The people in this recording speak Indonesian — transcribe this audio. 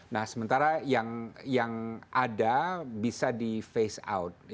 nah sementara yang ada bisa di face out